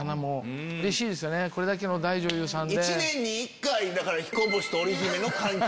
これだけの大女優さんで。